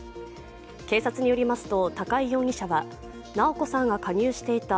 警察によりますと、高井容疑者は直子さんが加入していた